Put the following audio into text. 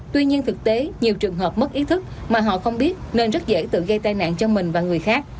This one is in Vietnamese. tuy nhiên thực tế nhiều trường hợp mất ý thức mà họ không biết nên rất dễ tự gây tai nạn cho mình và người khác